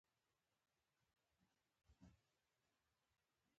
ویده خوب د خیالونو ننداره ده